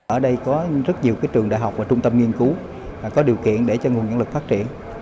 ở đây có rất nhiều trường đại học và trung tâm nghiên cứu có điều kiện để cho nguồn nhân lực phát triển